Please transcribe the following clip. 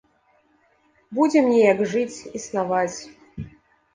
Будзем неяк жыць, існаваць.